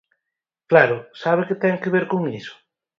Claro, ¿sabe que ten que ver con iso?